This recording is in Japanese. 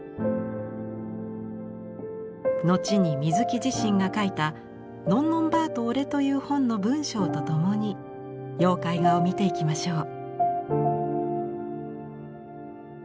後に水木自身が書いた「のんのんばあとオレ」という本の文章とともに妖怪画を見ていきましょう。